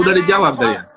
sudah dijawab dah ya